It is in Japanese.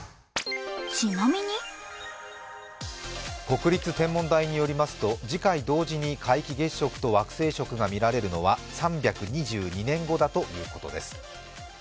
国立天文台によりますと次回、同時に皆既月食と惑星食が見られるのは３２２年後だということです。